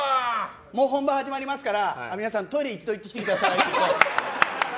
もう本番、始まりますから皆さん、トイレ行っておいてくださいとか。